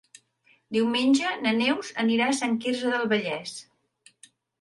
Diumenge na Neus anirà a Sant Quirze del Vallès.